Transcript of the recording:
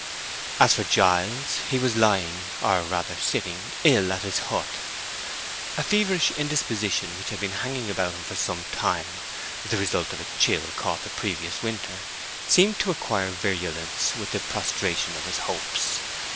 As for Giles, he was lying—or rather sitting—ill at his hut. A feverish indisposition which had been hanging about him for some time, the result of a chill caught the previous winter, seemed to acquire virulence with the prostration of his hopes.